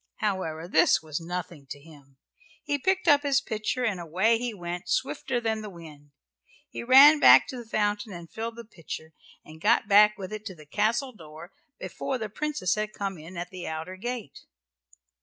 However, this was nothing to him. He picked up his pitcher and away he went, swifter than the wind. He ran back to the fountain and filled the pitcher, and got back with it to the castle door before the Princess had come in at the outer gate.